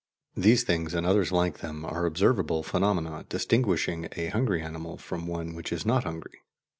These things and others like them are observable phenomena distinguishing a hungry animal from one which is not hungry.